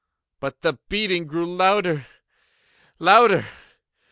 But the beating grew louder, louder!